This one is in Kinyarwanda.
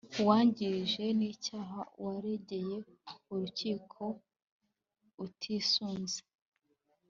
Uwangirijwe n icyaha waregeye urukiko atisunze